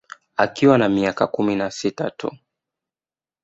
Akiwa na miaka kumi na sita tu